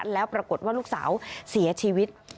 แล้วปรากฏว่าลูกสาวเสียชีวิต